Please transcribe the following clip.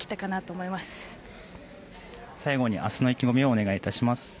最後に明日の意気込みをお願いいたします。